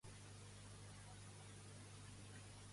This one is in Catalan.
Qui va voler un cop formar coalició amb Cs?